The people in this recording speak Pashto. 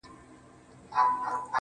• اوس عجيبه جهان كي ژوند كومه.